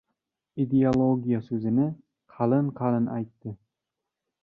Ideologiya so‘zni qalin-qalin aytdi: